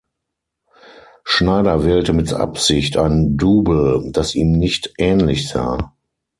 Schneider wählte mit Absicht ein Double, das ihm nicht ähnlich sah.